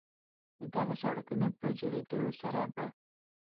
د دغو سړکونو په جوړېدو سره به